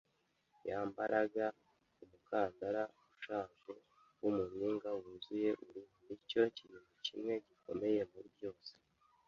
yambaraga umukandara ushaje wumuringa wuzuye uruhu, nicyo kintu kimwe gikomeye muri byose